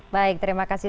baik terima kasih